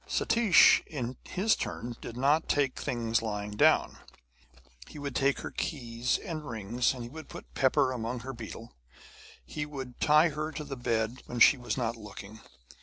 Satish in his turn did not take things lying down; he would take her keys and rings, he would put pepper among her betel; he would tie her to the bed when she was not looking.